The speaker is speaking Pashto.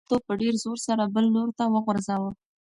هغه توپ په ډېر زور سره بل لوري ته وغورځاوه.